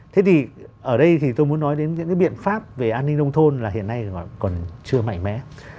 thế thì ở đây thì tôi muốn nói đến những cái biện pháp về an ninh nông thôn là hiện nay còn chưa mạnh mẽ